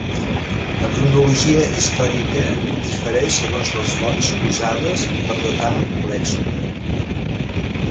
La cronologia històrica difereix segons les fonts usades per datar l'èxode.